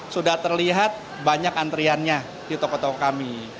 sudah terlihat banyak antriannya di toko toko kami